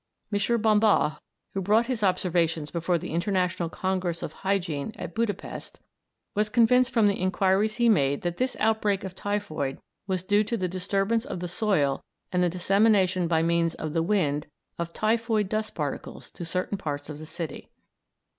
M. Bambas, who brought his observations before the International Congress of Hygiene at Buda Pesth, was convinced from the inquiries he made that this outbreak of typhoid was due to the disturbance of the soil and the dissemination by means of the wind of typhoid dust particles to certain parts of the city.